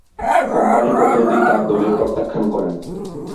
কোম্পানির প্রতিনিধি তার দলিল প্রত্যাখ্যান করেন।